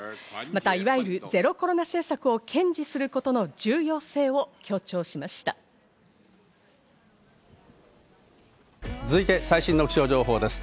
またいわゆるゼロコロナ政策を堅持することの重要性を強調しまし最新の気象情報です。